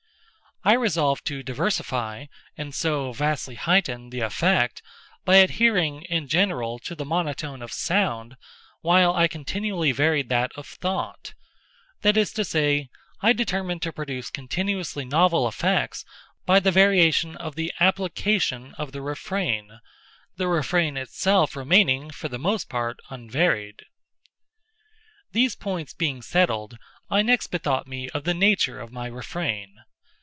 I resolved to diversify, and so vastly heighten, the effect, by adhering, in general, to the monotone of sound, while I continually varied that of thought : that is to say, I determined to produce continuously novel effects, by the variation of the application of the refrain—the refrain itself remaining, for the most part, unvaried. These points being settled, I next bethought me of the natureof my refrain.